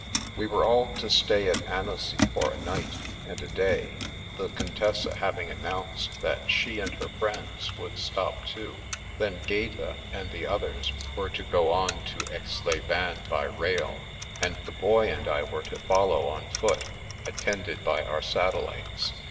iWe were all to stay at Annecy for a night and a day, the Contessa having annotmced that she and her friends would stop too; then Gaeta and the others were to go on to Aix les Bains by rail, and the Boy and I were to follow on foot, attended by our satel lites.